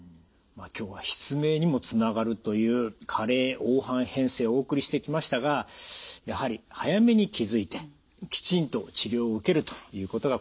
今日は失明にもつながるという加齢黄斑変性お送りしてきましたがやはり早めに気付いてきちんと治療を受けるということがこれは必要ですね。